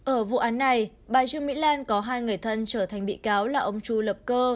ở vụ án này bà trương mỹ lan có hai người thân trở thành bị cáo là ông chu lập cơ